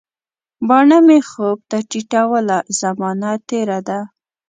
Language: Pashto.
باڼه مي خوب ته ټیټوله، زمانه تیره ده